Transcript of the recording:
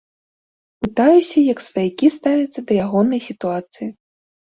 Пытаюся, як сваякі ставяцца да ягонай сітуацыі.